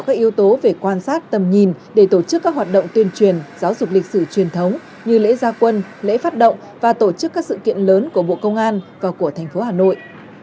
các yếu tố về quan sát tầm nhìn để tổ chức các hoạt động tuyên truyền giáo dục lịch sử truyền thống như lễ gia quân lễ phát động và tổ chức các sự kiện lớn của bộ công an và của thành phố hà nội